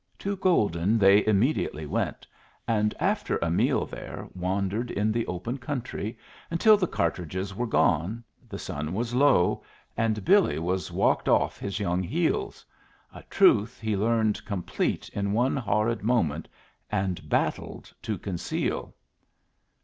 To Golden they immediately went, and after a meal there, wandered in the open country until the cartridges were gone, the sun was low, and Billy was walked off his young heels a truth he learned complete in one horrid moment, and battled to conceal.